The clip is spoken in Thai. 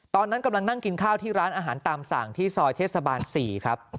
ตอนนั้นกำลังนั่งกินข้าวที่ร้านอาหารตามสั่งที่ซอยเทศบาล๔ครับ